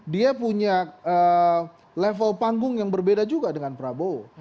dia punya level panggung yang berbeda juga dengan prabowo